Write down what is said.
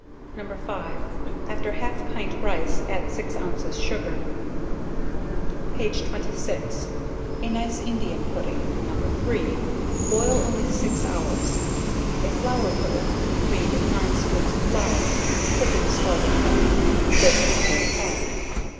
No. 5; after half pint rice, add 6 ounces sugar. Page 26. A nice Indian pudding, No. 3; boil only 6 hours. A flour pudding; read 9 spoons of flour, put in scalding milk; bake an hour and half.